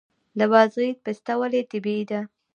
د بادغیس پسته ولې طبیعي ده؟